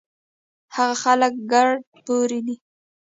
هغه خلک ګړد پوره دي